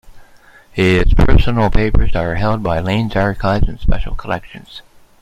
His personal papers are held by Lane's Archives and Special Collections.